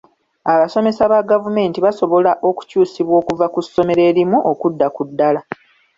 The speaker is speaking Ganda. Abasomesa ba gavumenti basobola okukyusibwa okuva ku ssomero erimu okudda ku ddala.